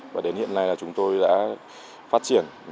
và đến hiện nay là chúng tôi đã phát triển